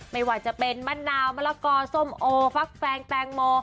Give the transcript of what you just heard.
ไม่ว่าจะเป็นมะนาวมะละกอส้มโอฟักแฟงแตงโม